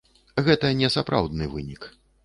Гэта не сапраўдны вынік.